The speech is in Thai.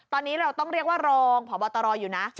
ตอนนี้เราต้องเรียกว่ารองพบตรอยู่นะ